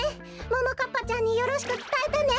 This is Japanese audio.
ももかっぱちゃんによろしくつたえてね。